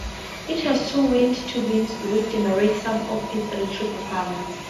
It has two wind turbines which generate some of its electricity requirement.